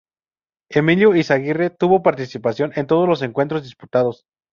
Emilio Izaguirre tuvo participación en todos los encuentros disputados.